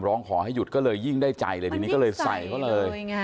ร้องขอให้หยุดก็เลยยิ่งได้ใจเลยมันยิ่งใสกันเลย